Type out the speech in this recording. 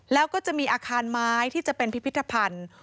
แล้วก็จะมีอาคารไม้ที่จะเป็นพิพิธภัณฑ์